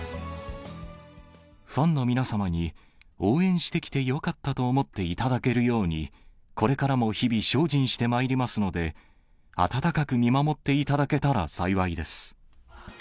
ファンの皆様に、応援してきてよかったと思っていただけるように、これからも日々精進してまいりますので、温かく見守っていただけたら幸いです。